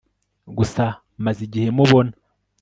gusa maze igihe mubona